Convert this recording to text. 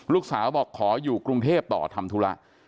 ลูกสาวบอกขออยู่กรุงเทพต่อทำธุระ